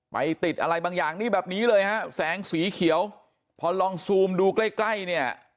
ไปติดอะไรบางอย่างนี้แบบนี้เลยฮะแสงสีเขียวพอลองซูมดูใกล้ใกล้เนี่ย